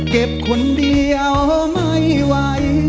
เก็บคนเดียวไม่ไหว